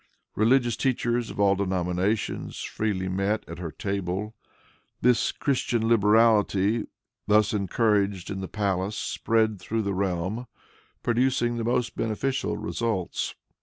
Religious teachers, of all denominations, freely met at her table. This Christian liberality, thus encouraged in the palace, spread through the realm, producing the most beneficial results.